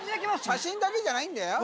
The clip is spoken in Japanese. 写真だけじゃないんだよ